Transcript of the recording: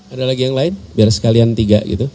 ada lagi yang lain biar sekalian tiga gitu